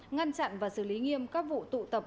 ngăn chặn và xử lý nghiêm các vụ tụ tập